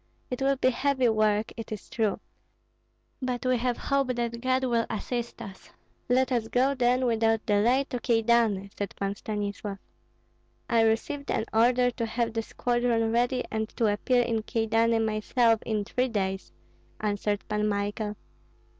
It will be heavy work, it is true. But we have hope that God will assist us." "Let us go, then, without delay to Kyedani," said Pan Stanislav. "I received an order to have the squadron ready and to appear in Kyedani myself in three days," answered Pan Michael.